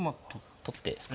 取ってですか？